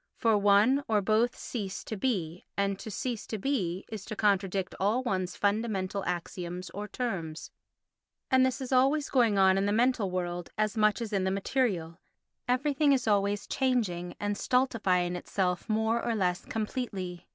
For one or both cease to be, and to cease to be is to contradict all one's fundamental axioms or terms. And this is always going on in the mental world as much as in the material; everything is always changing and stultifying itself more or less completely.